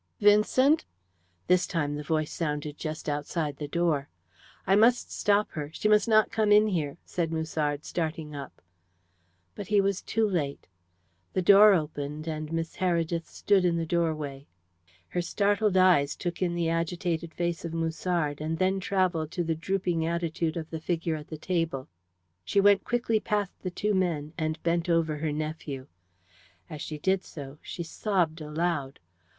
"Vincent!" This time the voice sounded just outside the door. "I must stop her she must not come in here," said Musard, starting up. But he was too late. The door opened, and Miss Heredith stood in the doorway. Her startled eyes took in the agitated face of Musard, and then travelled to the drooping attitude of the figure at the table. She went quickly past the two men, and bent over her nephew. As she did so, she sobbed aloud.